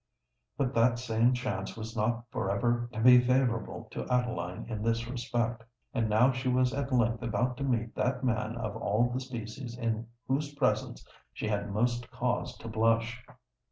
But that same chance was not for ever to be favourable to Adeline in this respect; and now she was at length about to meet that man of all the species in whose presence she had most cause to blush.